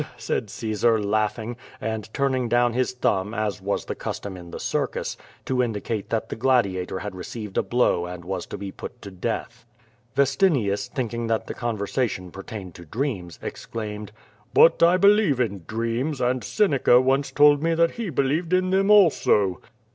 said Caesar, laughing, and turning down his thumb, as was the custom in the circus, to indicate that the gladiator had received a blow and was to be put to death. Vestinius, thinking that the conversation pertained to dreams, exclaimed: "But I believe in dreams, and Senecsi once told me that he believed in them also."